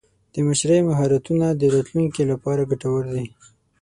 د مشرۍ مهارتونه د راتلونکي لپاره ګټور دي.